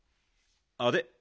あれ？